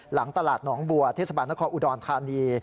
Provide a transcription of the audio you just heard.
หลังตลาดน้องบัวทศอุดรธานี